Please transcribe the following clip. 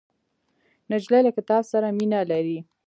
نجلۍ له کتاب سره مینه لري.